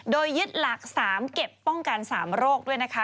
โดยยึดหลัก๓เก็บป้องกัน๓โรคด้วยนะคะ